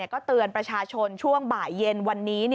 ก็เตือนประชาชนช่วงบ่ายเย็นวันนี้